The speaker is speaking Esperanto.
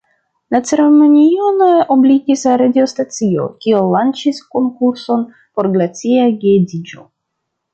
La ceremonion ebligis radiostacio, kiu lanĉis konkurson por glacia geedziĝo.